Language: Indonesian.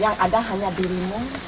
yang ada hanya dirimu